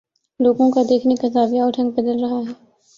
لوگوں کا دیکھنے کا زاویہ اور ڈھنگ بدل رہا ہے۔